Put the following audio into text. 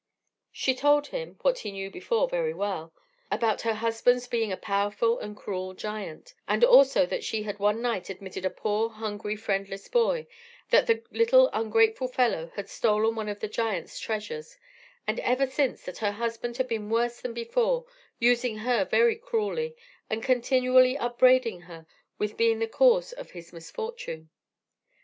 She told him (what he knew before very well) about her husband's being a powerful and cruel giant, and also that she had one night admitted a poor, hungry, friendless boy; that the little ungrateful fellow had stolen one of the giant's treasures; and ever since that her husband had been worse than before, using her very cruelly, and continually upbraiding her with being the cause of his misfortune.